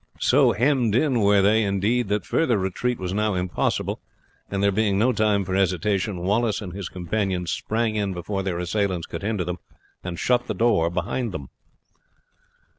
So hemmed in were they, indeed, that further retreat was now impossible, and there being no time for hesitation, Wallace and his companions sprang in before their assailants could hinder them, and shut the door behind them.